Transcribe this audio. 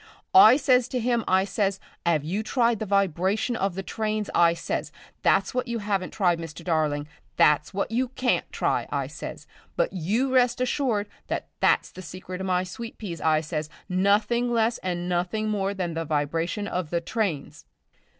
"I says to 'im, I says, ''ave you tried the vibritation of the trains?' I says. 'That's what you 'aven't tried, Mr. Darling. That's what you can't try,' I says. 'But you rest assured that that's the secret of my sweet peas,' I says, 'nothing less and nothing more than the vibritation of the trains.'"